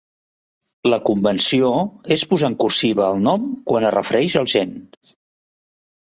La convenció és "posar en cursiva" el nom quan es refereix all gen.